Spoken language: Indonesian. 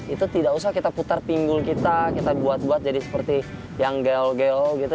itu tidak usah kita putar pinggul kita kita buat buat jadi seperti yang gel gel gitu